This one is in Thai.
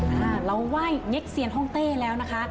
ค่ะเราว่ายเง็กเซียนฮ่องเต้แล้วนะคะ